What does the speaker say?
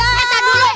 eh kita dulu